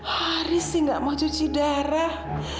haris sih nggak mau cuci darah